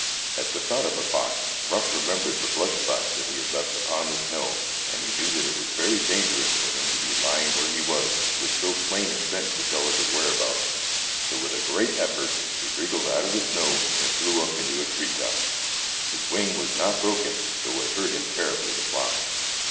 At the thought of a fox, Ruff remembered the blood spots that he had left upon the snow, and he knew that it was very dangerous for him to be lying where he was, with so plain a scent to tell of his whereabouts, so with a great effort he wriggled out of the snow and flew up into a tree top. His wing was not broken, though it hurt him terribly to fly.